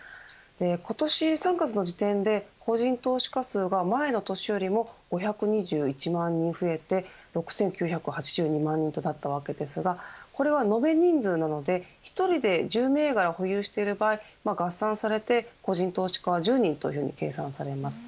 ことし３月の時点で個人投資家数が前の年よりも５２１万人増えて６９８２万人となったわけですがこれは延べ人数なので１人で１０銘柄保有している場合合算されて個人投資家は１０人というふうに計算されます。